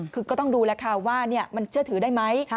คือก็ต้องดูแล้วค่ะว่ามันเชื่อถือได้ไหม